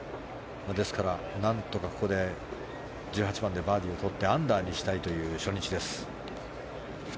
ですから何とか１８番でバーディーをとってアンダーにしたいという初日です。